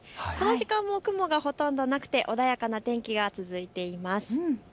この時間も雲がほとんどなくて穏やかな天気が続いています。